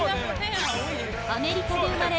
◆アメリカで生まれ